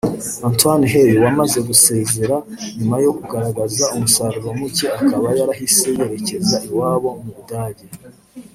Antoine Hey wamaze gusezera nyuma yo kugaragaza umusaruro muke akaba yarahise yerekeza iwabo mu Budage